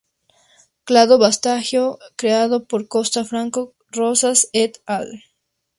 Clado vástago creado por Costa Franco Rosas "et al".